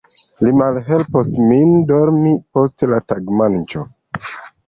Li malhelpos min dormi post la tagmanĝo.